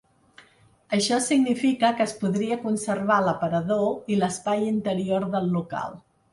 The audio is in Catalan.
Això significa que es podria conservar l’aparador i l’espai interior del local.